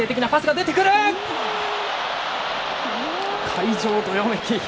会場、どよめき。